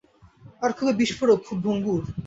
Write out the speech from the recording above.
আর খুবই বিস্ফোরক, খুব ভঙ্গুর।